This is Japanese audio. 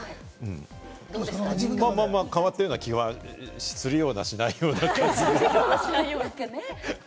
変わったような気はするような、しないような感じですね。